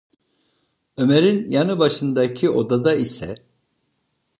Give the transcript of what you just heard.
Ömer’in yanı başındaki odada ise…